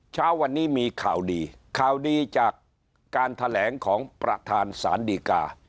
เช้าวันนี้มีข่าวดีข่าวดีจากการแถลงของประธานศาลดีกา